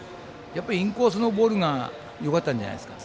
インコースのボールがよかったんじゃないですか。